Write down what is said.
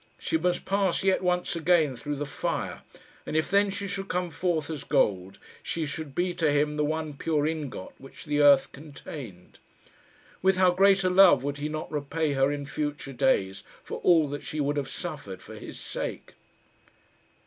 She must pass yet once again through the fire; and if then she should come forth as gold, she should be to him the one pure ingot which the earth contained. With how great a love would he not repay her in future days for all that she would have suffered for his sake?